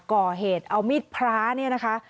ก่อเหตุเอามีดพระเนี่ยนะคะ